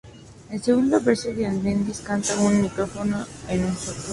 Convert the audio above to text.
En el segundo verso, Diamandis canta con un micrófono en un soporte.